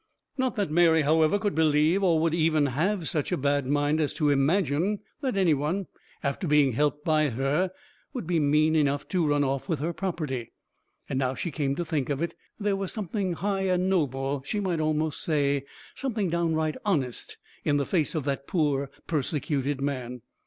Not that Mary, however, could believe, or would even have such a bad mind as to imagine, that any one, after being helped by her, would be mean enough to run off with her property. And now she came to think of it, there was something high and noble, she might almost say something downright honest, in the face of that poor persecuted man.